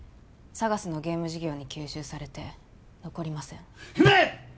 ＳＡＧＡＳのゲーム事業に吸収されて残りません姫！